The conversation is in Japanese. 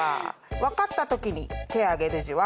分かった時に手挙げるじわ。